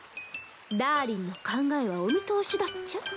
ダーリンの考えはお見通しだっちゃ